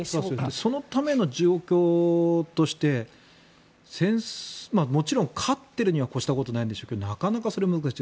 そのための状況としてもちろん勝っているには越したことがないでしょうけどなかなかそれは難しい。